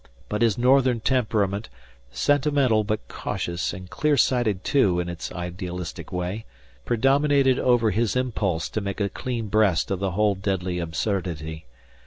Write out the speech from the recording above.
But his northern temperament, sentimental but cautious and clear sighted, too, in its idealistic way, predominated over his impulse to make a clean breast of the whole deadly absurdity.